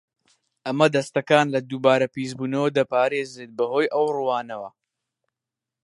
ئەمە دەستەکان لە دووبارە پیسبوونەوە دەپارێزێت بەهۆی ئەو ڕووانەوە.